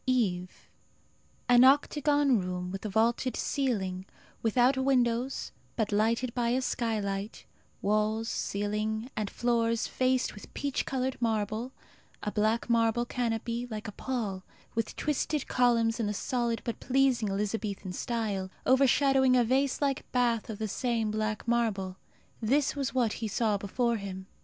EVE. An octagon room, with a vaulted ceiling, without windows but lighted by a skylight; walls, ceiling, and floors faced with peach coloured marble; a black marble canopy, like a pall, with twisted columns in the solid but pleasing Elizabethan style, overshadowing a vase like bath of the same black marble this was what he saw before him.